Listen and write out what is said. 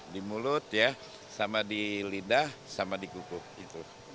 di mulut ya sama di lidah sama di kukuk itu